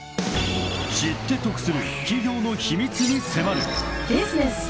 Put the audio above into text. ［知って得する企業の秘密に迫る］